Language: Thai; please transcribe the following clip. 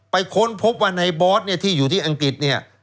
ไปค้นพบว่าในบอสที่อยู่ที่อังกฤษ